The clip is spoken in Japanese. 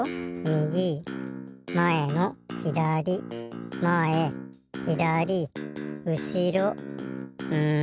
みぎまえのひだりまえひだりうしろん